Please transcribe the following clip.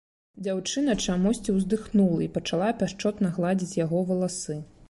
Дзяўчына чамусьці ўздыхнула і пачала пяшчотна гладзіць яго валасы.